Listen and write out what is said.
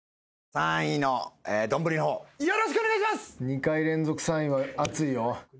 ２回連続３位は熱いよ。